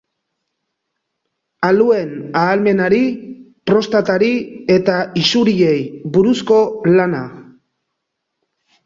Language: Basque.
Aluen ahalmenari, prostatari eta isuriei buruzko lana.